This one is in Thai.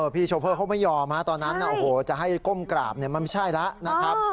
โชเฟอร์เขาไม่ยอมตอนนั้นจะให้ก้มกราบมันไม่ใช่แล้วนะครับ